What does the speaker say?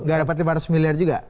gak dapat lima ratus miliar juga